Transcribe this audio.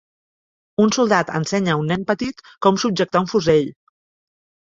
Un soldat ensenya a un nen petit com subjectar un fusell